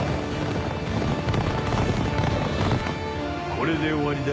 これで終わりだ。